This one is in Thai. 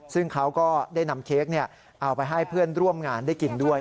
ซึ่งเขาก็ได้นำเค้กเอาไปให้เพื่อนร่วมงานได้กินด้วย